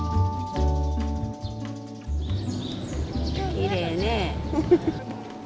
きれいね。